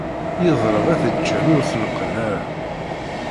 Yeḍleb ad t-ǧǧen ur t-neqqen ara.